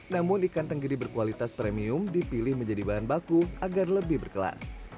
namun ikan tenggiri berkualitas premium dipilih menjadi bahan baku agar lebih berkelas